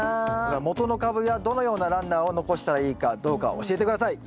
元の株やどのようなランナーを残したらいいかどうか教えて下さい。